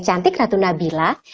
cantik ratu nabila